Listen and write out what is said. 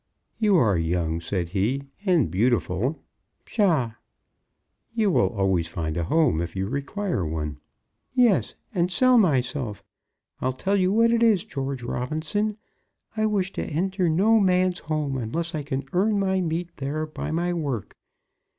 "You are young," said he, "and beautiful " "Psha!" "You will always find a home if you require one." "Yes; and sell myself! I'll tell you what it is, George Robinson; I wish to enter no man's home unless I can earn my meat there by my work.